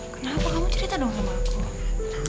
kenapa kamu cerita dong sama aku